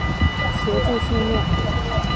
协助训练。